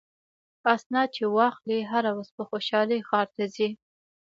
اسناد چې واخلي هره ورځ په خوشحالۍ ښار ته ځي.